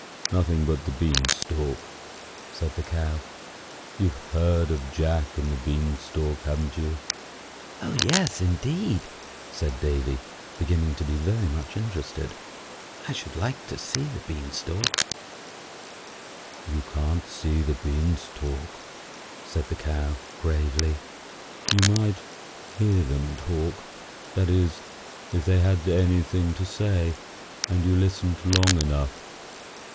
"Nothing but the bean stalk," said the Cow. "You've heard of 'Jack and the Bean stalk,' haven't you?" "Oh! yes, indeed!" said Davy, beginning to be very much interested. "I should like to see the bean stalk." "You can't see the beans talk," said the Cow, gravely. "You might hear them talk; that is, if they had anything to say, and you listened long enough.